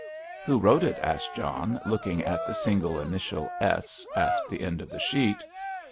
"Who wrote it?" asked John, looking at the single initial "S" at the end of the sheet.